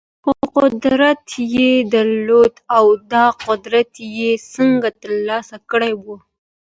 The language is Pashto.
خو قدرت يې درلود او دا قدرت يې څنګه ترلاسه کړی و؟